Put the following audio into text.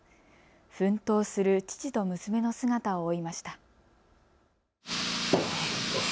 奮闘する父と娘の姿を追いました。